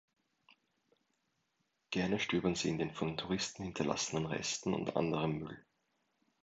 Gerne stöbern sie in den von Touristen hinterlassenen Resten und anderem Müll.